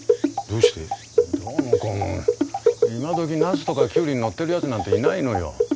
どうもこうも今どきナスとかキュウリに乗ってるやつなんていないのよ。